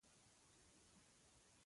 • دښمني د عداوت زیږنده ده.